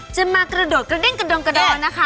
จะมากระโดดกระเด้งกระดองกระโดดนะคะ